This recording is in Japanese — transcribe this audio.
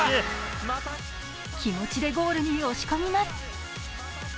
気持ちでゴールに押し込みます。